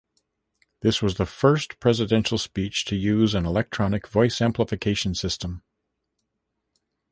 This was the first presidential speech to use an electronic voice amplification system.